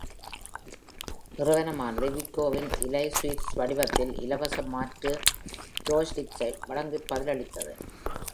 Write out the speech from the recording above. நிறுவனமானது விக்கோவின் இலை-சுவிட்ச் வடிவத்தில் இலவச மாற்று ஜாய்ஸ்டிக்ஸை வழங்கிப் பதிலளித்தது.